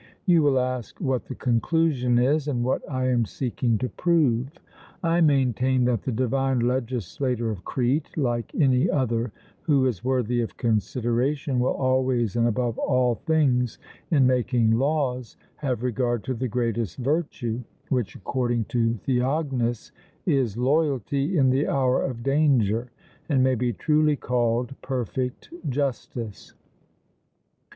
You will ask what the conclusion is, and what I am seeking to prove: I maintain that the divine legislator of Crete, like any other who is worthy of consideration, will always and above all things in making laws have regard to the greatest virtue; which, according to Theognis, is loyalty in the hour of danger, and may be truly called perfect justice.